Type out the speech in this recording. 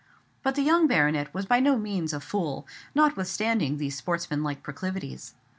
But the young baronet was by no means a fool, notwithstanding these sportsmanlike proclivities.